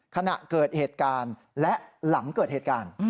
ขณะเกิดเหตุการณ์และหลังเกิดเหตุการณ์